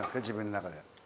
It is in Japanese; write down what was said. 自分の中で。